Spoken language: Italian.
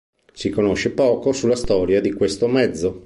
Si conosce poco sulla storia di questo mezzo.